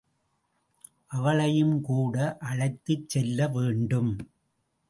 அவளையும் கூட அழைத்துச் செல்ல வேண்டும்.